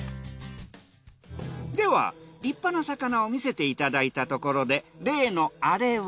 では立派な魚を見せていただいたところで。